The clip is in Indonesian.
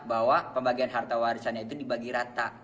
bahwa pembagian harta warisannya itu dibagi rata